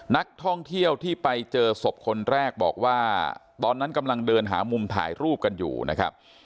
นักท่องเที่ยวที่ไปเจอศพคนแรกบอกว่าตอนนั้นกำลังเดินหามุมถ่ายรูปกันอยู่นะครับ